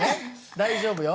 大丈夫よ。